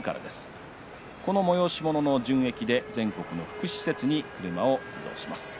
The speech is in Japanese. この催し物の純益で全国の福祉施設に車を寄贈します。